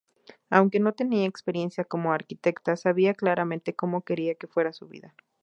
Aunque no tenía experiencia como arquitecta sabía claramente cómo quería que fuera su vida.